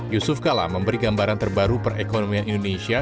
yusuf kala memberi gambaran terbaru perekonomian indonesia